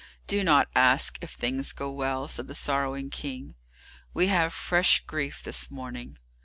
"Do not ask if things go well," said the sorrowing King, "we have fresh grief this morning.